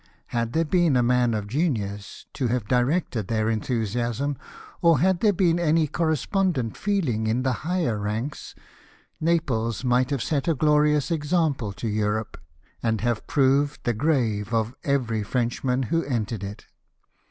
Had there been a man of genius to have directed their enthusiasm, or had there been any correspondent feeling in the higher ranks, Naples might have set a glorious example to Europe, and have proved the grave of every Frenchman who entered it.